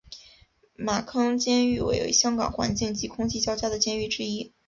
马坑监狱为香港环境及空气较佳的监狱之一。